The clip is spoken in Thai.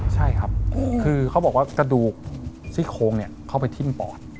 ใช่เลยเหรอโอ้โหคือเขาบอกว่ากระดูกที่โค้งเข้าไปทิ่มปอด